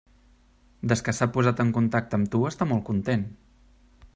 Des que s'ha posat en contacte amb tu està molt content.